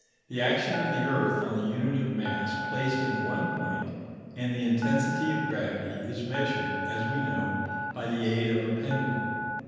The action of the earth on the unit of mass placed in one point, and the intensity of gravity, is measured, as we know, by the aid of a pendulum.